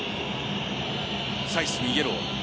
サイスにイエロー。